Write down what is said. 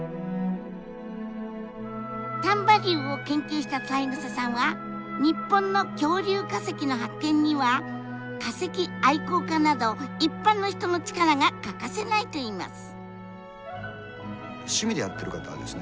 丹波竜を研究した三枝さんは日本の恐竜化石の発見には化石愛好家など一般の人の力が欠かせないといいます。